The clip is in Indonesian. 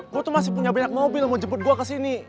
gue tuh masih punya banyak mobil yang mau jemput gue kesini